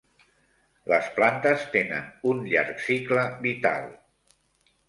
Les plantes tenen un llarg cicle vital.